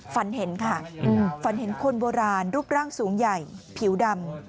ฝันเห็นค่ะฝันเห็นคนโบราณรูปร่างสูงใหญ่ผิวดำ